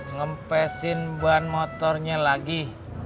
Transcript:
ngepesin ban motornya lagi